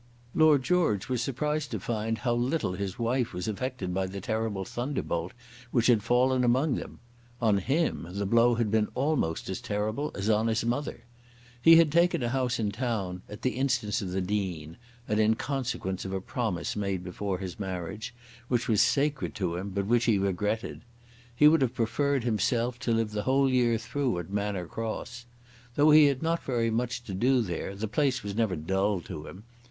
Lord George was surprised to find how little his wife was affected by the terrible thunderbolt which had fallen among them. On him the blow had been almost as terrible as on his mother. He had taken a house in town, at the instance of the Dean, and in consequence of a promise made before his marriage, which was sacred to him but which he regretted. He would have preferred himself to live the whole year through at Manor Cross. Though he had not very much to do there the place was never dull to him.